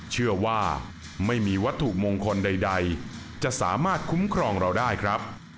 เชื่อว่าไม่มีวัตถุมงคลใดจะสามารถคุ้มครองเราได้ครับ